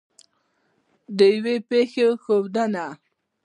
د یوې پېښې ښودنه